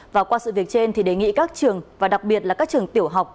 và qua sự việc trên thì đề nghị các trường và đặc biệt là các trường tiểu học